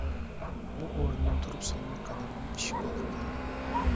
ئۇ ئورنىدىن تۇرۇپ سالماق قەدەم بىلەن ئىشىك ئالدىغا كەلدى.